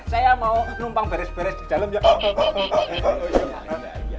saya mau numpang beres beres di dalam ya